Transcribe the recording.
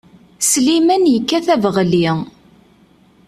Sliman yekkat abeɣli.